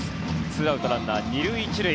ツーアウトランナー２塁１塁。